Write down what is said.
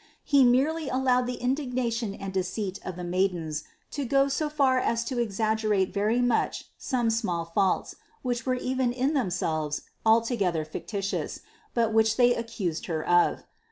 He merely allowed the indignation and deceit of the maidens to go so far as to exaggerate very much some small faults, which were even in themselves altogether fictitious, but which they accused Her of.